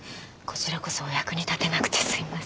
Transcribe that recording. こちらこそお役に立てなくてすいません。